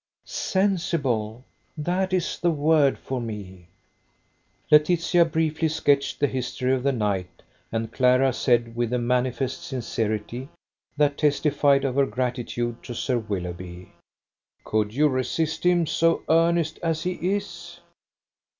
"Sensible. That is the word for me." Laetitia briefly sketched the history of the night; and Clara said, with a manifest sincerity that testified of her gratitude to Sir Willoughby: "Could you resist him, so earnest as he is?"